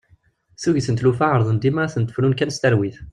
Tuget n tlufa ɛerḍen dima ad tent-frun kan s talwit.